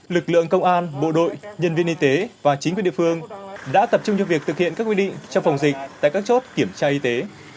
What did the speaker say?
lực lượng công an bộ đội nhân viên y tế và chính quyền địa phương đã tập trung cho việc thực hiện các quy định trong phòng dịch tại các chốt kiểm tra y tế